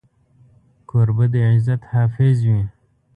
کوربه د عزت حافظ وي.